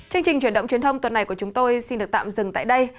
chương trình truyền động truyền thông tuần này của chúng tôi xin được tạm dừng tại đây